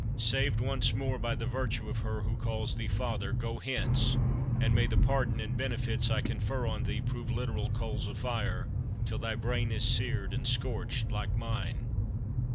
Saved once more by the virtue of her who calls thee father, go hence, and may the pardon and benefits I confer on thee prove literal coals of fire, till thy brain is seared and scorched like mine!"